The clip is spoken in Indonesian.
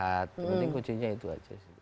yang penting kuncinya itu aja